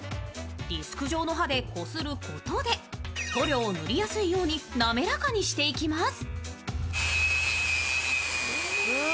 ディスク状の刃でこすることで塗料を塗りやすいようになめらかにしていきます。